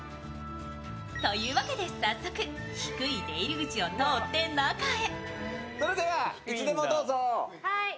というわけで早速、低い出入り口を通って中へ。